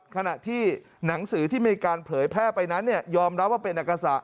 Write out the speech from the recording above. ขณะที่หนังสือที่มีการเผยแพร่ไปนั้นยอมรับว่าเป็นอักษะ